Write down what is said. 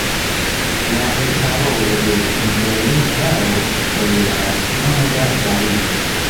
La elparolo de interlingvao toleras iom da vario.